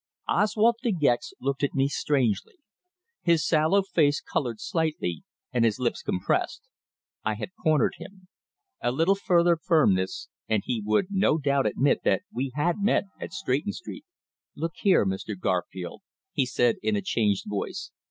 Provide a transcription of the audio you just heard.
Oswald De Gex looked at me strangely. His sallow face coloured slightly, and his lips compressed. I had cornered him. A little further firmness, and he would no doubt admit that we had met at Stretton Street. "Look here, Mr. Garfield," he said in a changed voice.